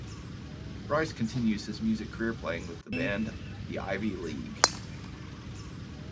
Brice continues his music career playing with the band 'The Ivy League'.